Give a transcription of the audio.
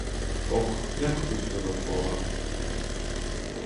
Ох, як пусто довкола!